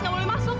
nggak boleh masuk